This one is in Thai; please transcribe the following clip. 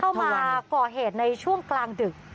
เข้ามาก่อเหตุในช่วงกลางดึก